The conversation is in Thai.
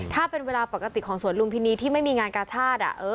ถ้าเป็นเวลาปกติของสวนลุมพินีที่ไม่มีงานกาชาติ